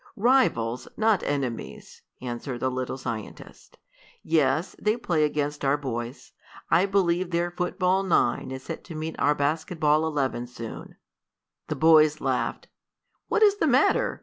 "Rivals, not enemies," answered the little scientist. "Yes, they play against our boys. I believe their football nine is to meet our basketball eleven soon." The boys laughed. "What is the matter?"